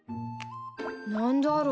何だろう？